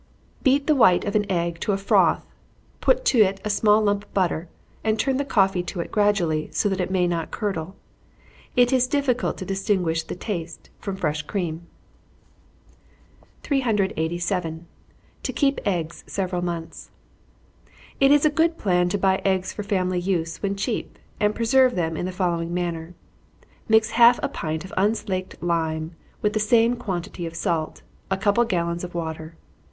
_ Beat the white of an egg to a froth put to it a small lump of butter, and turn the coffee to it gradually, so that it may not curdle. It is difficult to distinguish the taste from fresh cream. 387. To keep Eggs several months. It is a good plan to buy eggs for family use when cheap, and preserve them in the following manner: Mix half a pint of unslaked lime with the same quantity of salt, a couple of gallons of water.